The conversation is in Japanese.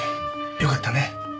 よかったね。